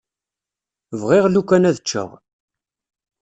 Bɣiɣ lukan ad ččeɣ.